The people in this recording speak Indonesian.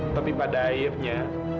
tapi pada akhirnya